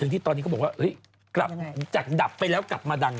ที่ตอนนี้เขาบอกว่ากลับจากดับไปแล้วกลับมาดัง